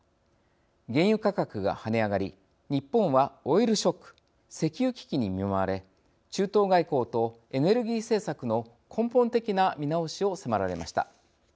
原油価格が跳ね上がり日本はオイルショック石油危機に見舞われ中東外交とエネルギー政策の根本的な見直しを迫られました。